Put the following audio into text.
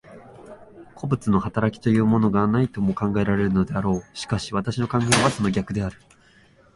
個物の働きというものがないとも考えられるであろう。しかし私の考えはその逆である。